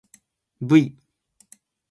ｖ